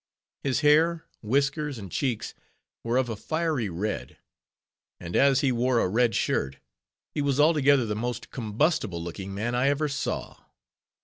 His hair, whiskers, and cheeks were of a fiery red; and as he wore a red shirt, he was altogether the most combustible looking man I ever saw.